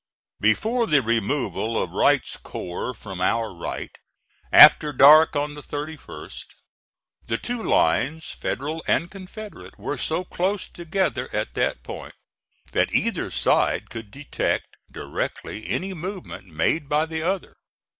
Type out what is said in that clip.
Before the removal of Wright's corps from our right, after dark on the 31st, the two lines, Federal and Confederate, were so close together at that point that either side could detect directly any movement made by the other.